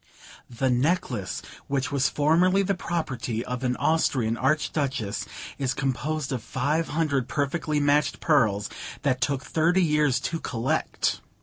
'The necklace, which was formerly the property of an Austrian Archduchess, is composed of five hundred perfectly matched pearls that took thirty years to collect.